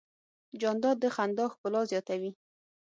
جانداد د خندا ښکلا زیاتوي.